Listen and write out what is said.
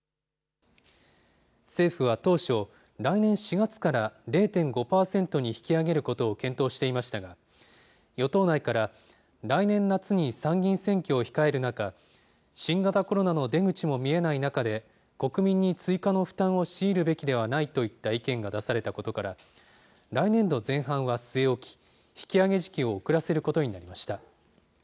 政府は当初、来年４月から０．５％に引き上げることを検討していましたが、与党内から、来年夏に参議院選挙を控える中、新型コロナの出口も見えない中で、国民に追加の負担を強いるべきではないといった意見が出されたことから、来年度前半は据え置き、引き上げ時期を遅らせることになりました。